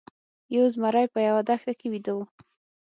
یو زمری په یوه دښته کې ویده و.